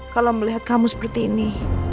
kalau melihat kamu seperti ini